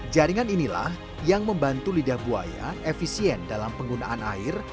jaringan inilah yang membantu lidah buaya efisien dalam penggunaan air